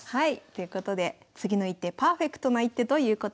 ということで次の一手パーフェクトな一手ということです。